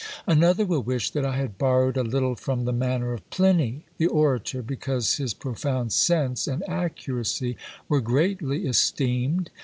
Another will wish that I had borrowed a little from the manner of Pliny the orator, because his profound sense and accuracy were greatly esteemed.